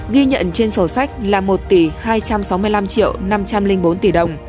ghi nhận trên sổ sách là một tỷ hai trăm sáu mươi năm năm trăm linh bốn tỷ đồng